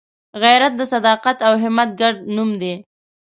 غیرت د صداقت او همت ګډ نوم دی